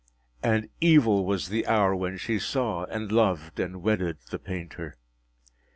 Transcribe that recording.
And evil was the hour when she saw, and loved, and wedded the painter.